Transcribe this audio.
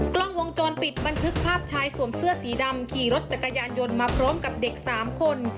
กล้องวงจรปิดบันทึกภาพชายสวมเสื้อสีดำขี่รถจักรยานยนต์มาพร้อมกับเด็ก๓คน